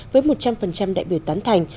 với một trăm linh đại biểu tán thành